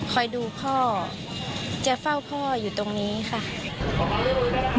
คอยดูพ่อจะเฝ้าพ่ออยู่ตรงนี้ค่ะ